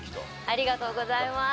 ありがとうございます。